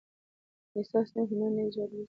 که احساس نه وي، هنر نه ایجاديږي.